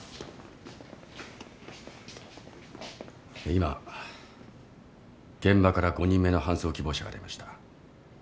今現場から５人目の搬送希望者が出ました。